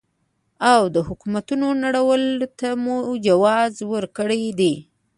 او د حکومتونو نړولو ته مو جواز جوړ کړی دی.